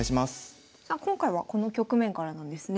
さあ今回はこの局面からなんですね。